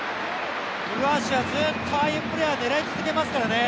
古橋はずっとああいうプレー狙い続けますからね。